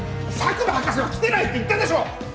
佐久間博士は来てないって言ったでしょう！